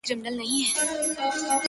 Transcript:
له ها ماښامه ستا نوم خولې ته راځــــــــي.